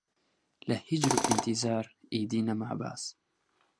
لە هیجر و ئینتیزار ئیدی نەما باس